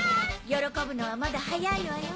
喜ぶのはまだ早いわよ。